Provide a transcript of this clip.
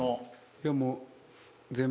いやもう。